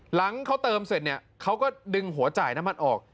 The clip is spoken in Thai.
หลังเขาเติมเสร็จเนี่ยเขาก็ดึงหัวจ่ายน้ำมันออก